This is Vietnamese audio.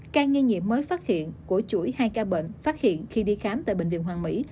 ca nghi nhiễm mới phát hiện của chuỗi hai ca bệnh phát hiện khi đi khám tại bệnh viện hoàng mỹ